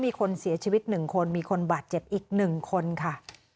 มีคนเสียชีวิต๑คนมีคนบาดเจ็บอีก๑คนค่ะ